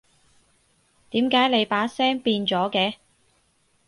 點解你把聲變咗嘅？